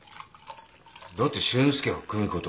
だって俊介は久美子と。